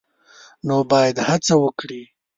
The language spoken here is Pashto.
نو باید هڅه وکړي